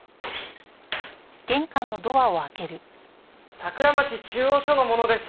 桜町中央署の者です。